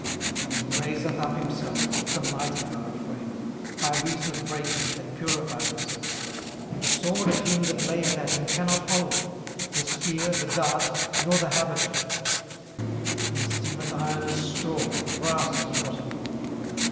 18:041:025 When he raiseth up himself, the mighty are afraid: by reason of breakings they purify themselves. 18:041:026 The sword of him that layeth at him cannot hold: the spear, the dart, nor the habergeon. 18:041:027 He esteemeth iron as straw, and brass as rotten wood.